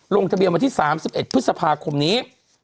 ลงทะเบียนวันที่๓๑พฤษภาคมนี้